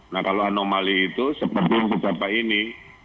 nah kalau anomali itu seperti yang beberapa ini